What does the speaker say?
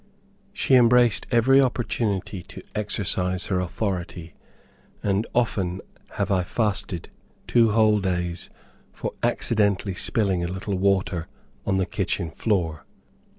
She embraced every opportunity to exercise her authority, and often have I fasted two whole days for accidentally spilling a little water on the kitchen floor.